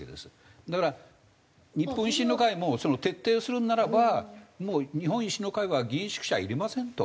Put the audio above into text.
だから日本維新の会も徹底するならば「もう日本維新の会は議員宿舎いりません」と。